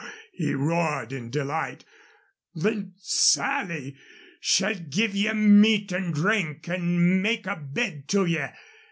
he roared in delight. "Then Sally shall give ye meat and drink and make a bed to ye.